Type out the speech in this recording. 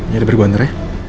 jadi berguaner ya